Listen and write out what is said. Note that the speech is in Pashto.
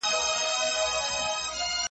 زړه ته نیژدې دی او زوی د تره دی .